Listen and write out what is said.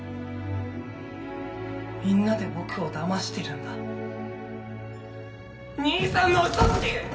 みんなで僕をだましてるんだ兄さんの嘘つき！